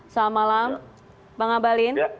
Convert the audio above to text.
selamat malam bang abalin